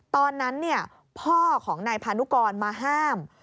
ตอนนั้นพ่อของนายพานุกรมาห้าม